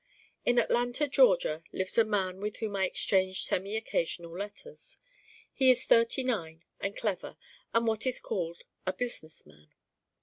In Atlanta Georgia lives a man with whom I exchange semi occasional letters. He is thirty nine and clever and what is called a business man.